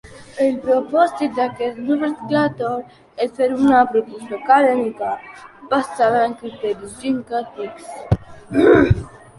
El propòsit d'aquest nomenclàtor és fer una proposta acadèmica basada en criteris lingüístics.